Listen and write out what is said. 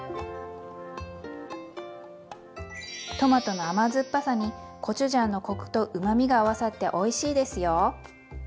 トマトの甘酸っぱさにコチュジャンのコクとうまみが合わさっておいしいですよ。